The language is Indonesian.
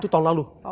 itu tahun lalu